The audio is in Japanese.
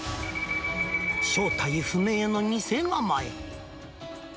正体不明の店構え。